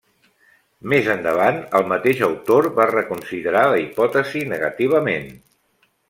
Més endavant el mateix autor va reconsiderar la hipòtesi negativament.